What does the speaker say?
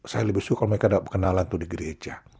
saya lebih suka kalau mereka ada perkenalan itu di gereja